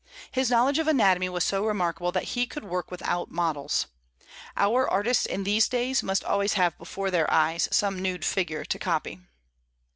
His knowledge of anatomy was so remarkable that he could work without models. Our artists, in these days, must always have before their eyes some nude figure to copy.